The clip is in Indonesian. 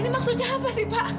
ini maksudnya apa sih pak